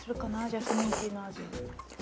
ジャスミンティーの味。